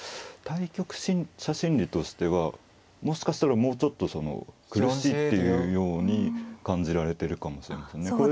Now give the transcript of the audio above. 対局者心理としてはもしかしたらもうちょっと苦しいっていうように感じられているかもしれませんね。